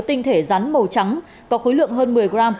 tinh thể rắn màu trắng có khối lượng hơn một mươi gram